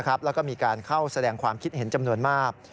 แล้วก็มีการเข้าแสดงความคิดเห็นจำนวนมาก